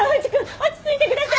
落ち着いてください！